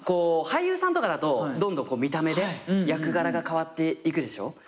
俳優さんとかだとどんどん見た目で役柄が変わっていくでしょ？